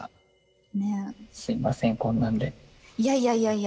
いやいやいやいや。